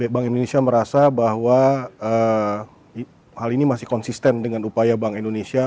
bank indonesia merasa bahwa hal ini masih konsisten dengan upaya bank indonesia